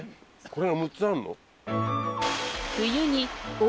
これが６つあんの？